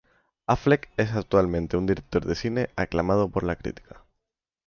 Affleck es actualmente un director de cine aclamado por la crítica.